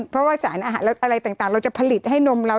เพราะว่าสารอาหารอะไรต่างเราจะผลิตให้นมเรา